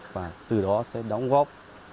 và từ đó sẽ đóng góp